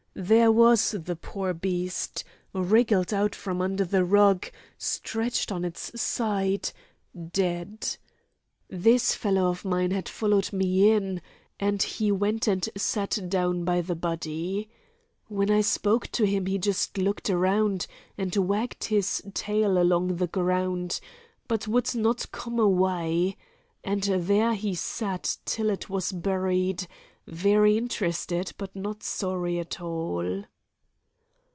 There was the poor beast—wriggled out from under the rug stretched on its side, dead. This fellow of mine had followed me in, and he went and sat down by the body. When I spoke to him he just looked round, and wagged his tail along the ground, but would not come away; and there he sat till it was buried, very interested, but not sorry at all."